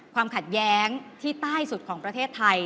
ความขัดแย้งที่ใต้สุดของประเทศไทย